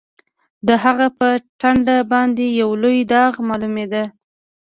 د هغه په ټنډه باندې یو لوی داغ معلومېده